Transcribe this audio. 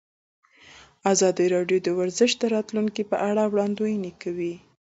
ازادي راډیو د ورزش د راتلونکې په اړه وړاندوینې کړې.